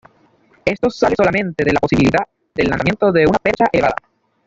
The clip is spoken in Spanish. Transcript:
Esto sale solamente de la posibilidad del lanzamiento de una percha elevada.